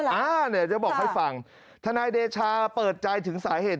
เดี๋ยวจะบอกให้ฟังธนายเดชาเปิดใจถึงสาเหตุ